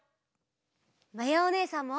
まやおねえさんも！